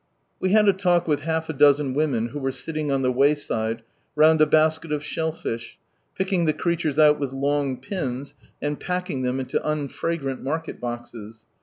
We had a talk with half a do^en women who were silting on the wayside round a basket of shell fish, picking the creatures out with long pins, and packing them into unfragrant market boxes.